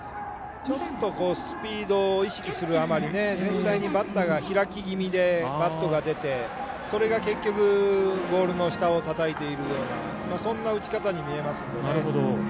スピードを意識するあまり全体にバッターが開き気味でバットが出て、それが結局ボールの下をたたいているようなそんな打ち方に見えますんでね。